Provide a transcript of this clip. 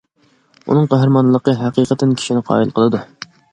ئۇنىڭ قەھرىمانلىقى ھەقىقەتەن كىشىنى قايىل قىلىدۇ.